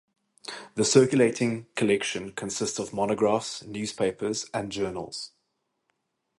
The circulating collection consists of monographs, newspapers, and journals.